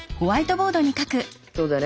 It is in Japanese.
そうだよね。